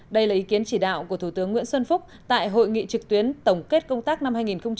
đây là ý kiến chỉ đạo của thủ tướng nguyễn xuân phúc tại hội nghị trực tuyến tổng kết công tác năm hai nghìn một mươi chín